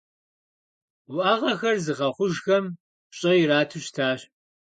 Уӏэгъэхэр зыгъэхъужхэм пщӏэ ирату щытащ.